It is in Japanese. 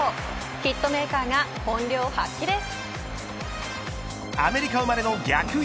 ヒットメーカーが本領発揮です。